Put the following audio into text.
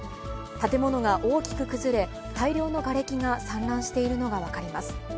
建物が大きく崩れ、大量のがれきが散乱しているのが分かります。